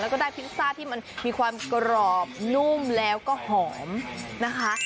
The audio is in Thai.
แล้วก็ได้พิซซ่าที่มันมีความกรอบนุ่มแล้วก็หอมนะคะ